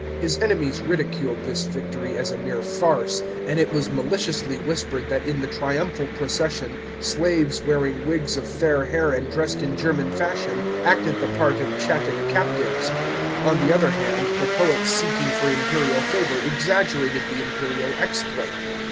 His enemies ridiculed this victory as a mere farce, and it was maliciously whispered that in the triumphal procession slaves wearing wigs of fair hair and dressed in German fashion acted the part of Chattic captives. On the other hand, the poets seeking for imperial favour exaggerated the imperial exploit.